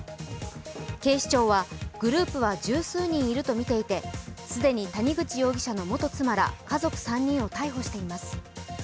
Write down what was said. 警視庁はグループは十数人いるとみていて既に谷口容疑者の元妻ら家族３人を逮捕しています。